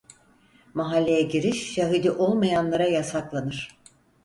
Mahalleye giriş Yahudi olmayanlara yasaklanır.